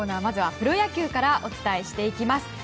まずはプロ野球からお伝えしていきます。